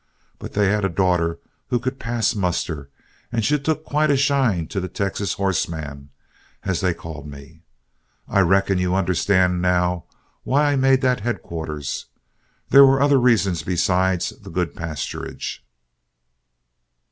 But they had a daughter who could pass muster, and she took quite a shine to the 'Texas Hoss Man,' as they called me. I reckon you understand now why I made that headquarters? there were other reasons besides the good pasturage.